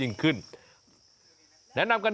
มีอย่างไรบ้างครับ